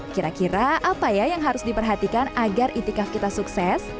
kira kira apa ya yang harus diperhatikan agar itikaf kita sukses